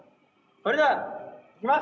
それではいきます。